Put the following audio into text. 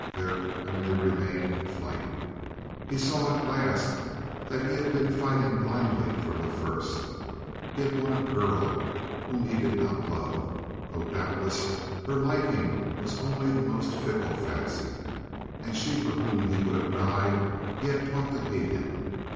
There only remained flight. He saw at last that he had been fighting blindly from the first. He had won a girl whom he did not love though doubtless her liking was only the most fickle fancy. And she for whom he would have died he had taught to hate him.